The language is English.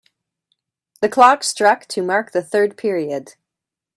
The clock struck to mark the third period.